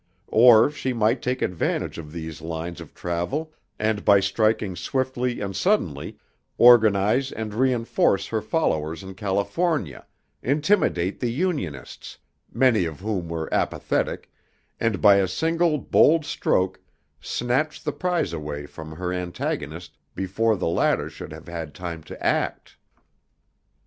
Or she might take advantage of these lines of travel, and, by striking swiftly and suddenly, organize and reinforce her followers in California, intimidate the Unionists, many of whom were apathetic, and by a single bold stroke snatch the prize away from her antagonist before the latter should have had time to act.